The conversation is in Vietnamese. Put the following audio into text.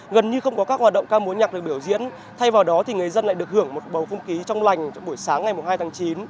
gần như không có các hoạt động ca mối nhạc được biểu diễn thay vào đó thì người dân lại được hưởng một bầu phong ký trong lành trong buổi sáng ngày hai tháng chín